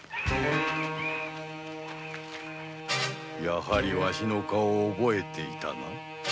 やはりわしの顔を覚えていたな。